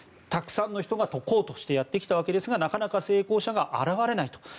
たくさんの人が解こうとしてやってきたわけですがなかなか成功者が現れないと。